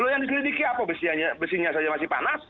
yang diselidiki apa besinya saja masih panas